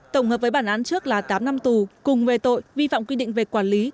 tổng hợp với bản án trước là tám năm tù cùng về tội vi phạm quy định về quản lý